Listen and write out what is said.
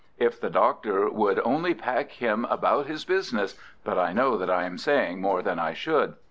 If the Doctor would only pack him about his business—but I know that I am saying more than I should!"